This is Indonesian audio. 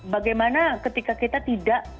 bagaimana ketika kita tidak